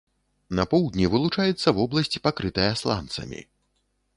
На поўдні вылучаецца вобласць, пакрытая сланцамі.